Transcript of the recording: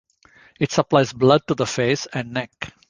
It supplies blood to the face and neck.